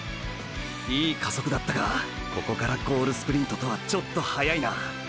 いい加速だったがここからゴールスプリントとはちょっと早いな。